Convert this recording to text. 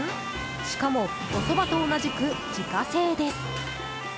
しかも、おそばと同じく自家製です。